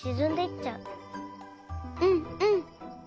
うんうん。